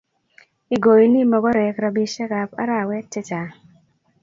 igoni mogorek robishekab arawet chechang